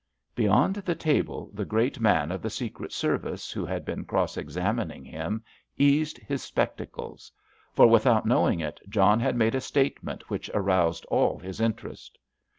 Beyond the table the great man of the Secret Service who had been cross examining him, eased his spectacles. For, without knowing it, John had made a statement which aroused all his interest.